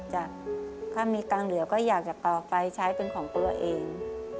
ถ้ามีตังค์เหลือก็อยากจะต่อไฟใช้เป็นของตัวเอง